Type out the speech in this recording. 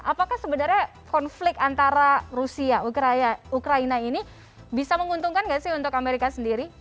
apakah sebenarnya konflik antara rusia ukraina ini bisa menguntungkan nggak sih untuk amerika sendiri